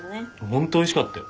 ホントおいしかったよ。